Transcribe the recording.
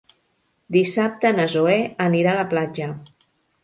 Dissabte na Zoè anirà a la platja.